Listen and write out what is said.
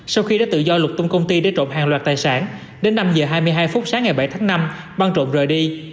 sau khi đã tự do lục tung công ty để trộm hàng loạt tài sản đến năm h hai mươi hai phút sáng ngày bảy tháng năm băng trộm rời đi